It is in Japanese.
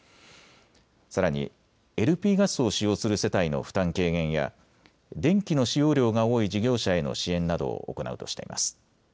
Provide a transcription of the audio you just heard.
さらにＬＰガスを使用する世帯の負担軽減や電気の使用量が多い事業者への支援などを行うとしています。